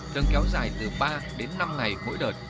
cần kéo dài từ ba đến năm ngày mỗi đợt